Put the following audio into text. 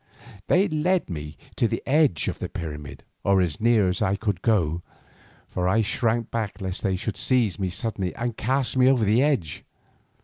They led me to the edge of the pyramid, or as near as I would go, for I shrank back lest they should seize me suddenly and cast me over the edge.